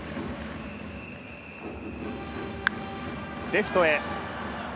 レフトへ。